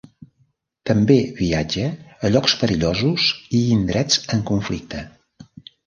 També viatja a llocs perillosos i indrets en conflicte.